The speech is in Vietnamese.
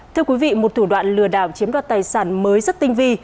thưa quý vị một thủ đoạn lừa đảo chiếm đoạt tài sản mới rất tinh vi